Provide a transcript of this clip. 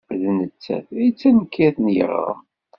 D nettat ay d tankirt n yiɣrem.